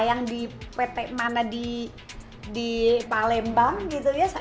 yang di pt mana di palembang gitu ya